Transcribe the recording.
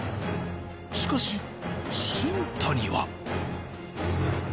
しかし新谷は。